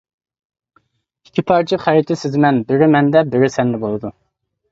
ئىككى پارچە خەرىتە سىزىمەن بىرى مەندە، بىرى سەندە بولىدۇ.